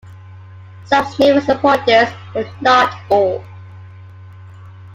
Some sniffers support this, but not all.